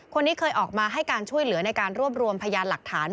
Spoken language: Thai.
คนนี้เคยออกมาให้การช่วยเหลือในการรวบรวมพยานหลักฐาน